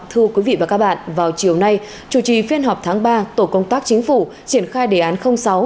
thưa quý vị và các bạn vào chiều nay chủ trì phiên họp tháng ba tổ công tác chính phủ triển khai đề án sáu